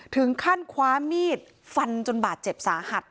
ถึงขั้นคว้ามีดฟันจนบาดเจ็บสาหัส